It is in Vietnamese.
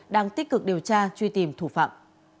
đang tích cực điều tra truy tìm thủ phạm